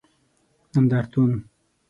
نندارتون